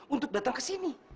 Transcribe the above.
untuk datang kesini